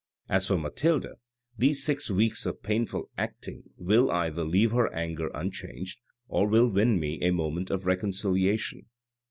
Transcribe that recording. " As for Mathilde, these six weeks of painful acting will either leave her anger unchanged, or will win me a moment of reconciliation.